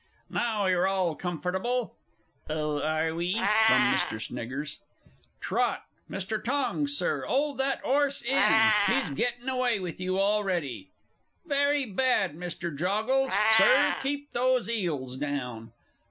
_) Now you're all comfortable. ["Oh, are we?" from MR. S.] Trot! Mr. Tongs, Sir, 'old that 'orse in he's gettin' away with you already. Very bad, Mr. Joggles, Sir keep those 'eels down!